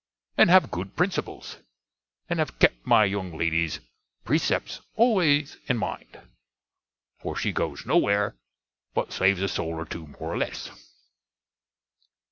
And have good principels, and have kept my young lady's pressepts always in mind: for she goes no where, but saves a soul or two, more or less.